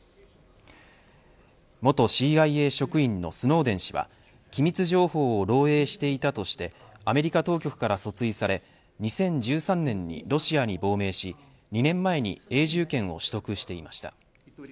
元ＣＩＡ職員のスノーデン氏は機密情報を漏えいしていたとしてアメリカ当局から訴追され２０１３年にロシアに亡命し２年前に永住権を取得していました。